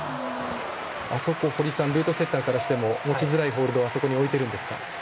あそこ、堀さんルートセッターからしても持ちづらいホールドをあそこにおいてるんですか？